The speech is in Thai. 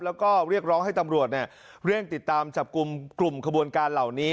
แล้วก็เรียกร้องให้ตำรวจเร่งติดตามจับกลุ่มกลุ่มขบวนการเหล่านี้